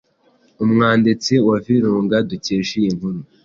Umwanditsi wa Virunga dukesha iyi nkuru